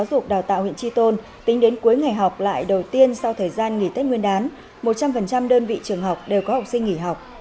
giáo dục đào tạo huyện tri tôn tính đến cuối ngày học lại đầu tiên sau thời gian nghỉ tết nguyên đán một trăm linh đơn vị trường học đều có học sinh nghỉ học